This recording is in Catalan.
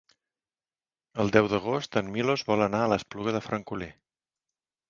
El deu d'agost en Milos vol anar a l'Espluga de Francolí.